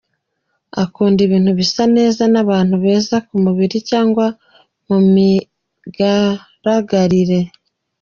Akunda ibintu bisa neza n’abantu beza ku mubiri cyangwa mu migaragarire.